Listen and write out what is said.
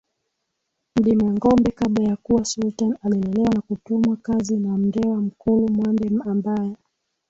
Mdimangombe kabla ya kuwa Sultan alilelewa na kutumwa kazi na Mndewa Mkulu Mwande ambaye